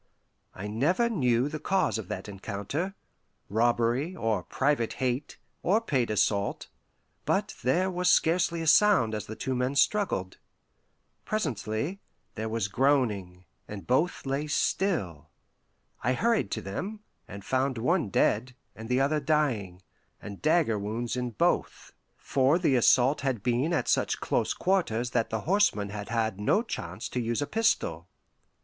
I never knew the cause of that encounter robbery, or private hate, or paid assault; but there was scarcely a sound as the two men struggled. Presently, there was groaning, and both lay still. I hurried to them, and found one dead, and the other dying, and dagger wounds in both, for the assault had been at such close quarters that the horseman had had no chance to use a pistol.